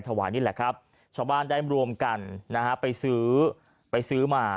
นี่แหละครับชาวบ้านได้รวมกันนะฮะไปซื้อไปซื้อมา